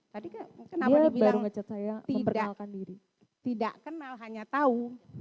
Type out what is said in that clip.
tadi kenapa dibilang tidak kenal hanya tahu